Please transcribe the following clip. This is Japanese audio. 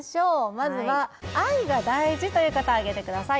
まずは愛が大事という方挙げてください